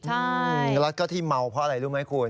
ใช่แล้วก็ที่เมาเพราะอะไรรู้ไหมคุณ